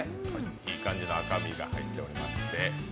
いい感じの赤身が入ってまして。